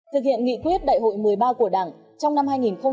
thực hiện nghị quyết đại hội một mươi ba của đảng trong năm hai nghìn hai mươi